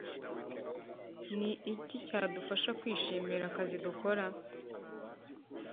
Ni iki cyadufasha kwishimira akazi dukora